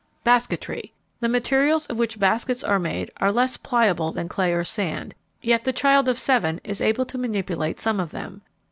Basketry. The materials of which baskets are made are less pliable than clay or sand, yet the child of seven is able to manipulate some of them.